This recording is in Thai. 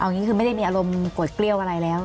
อย่างนี้คือไม่ได้มีอารมณ์โกรธเกลี้ยวอะไรแล้ว